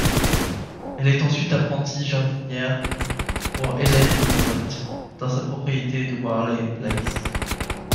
Elle est ensuite apprentie jardinière pour Ellen Willmott, dans sa propriété de Warley Place.